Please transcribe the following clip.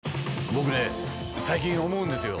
僕ね最近思うんですよ。